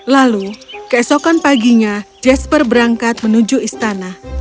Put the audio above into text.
lalu keesokan paginya jasper berangkat menuju istana